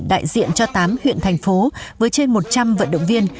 đại diện cho tám huyện thành phố với trên một trăm linh vận động viên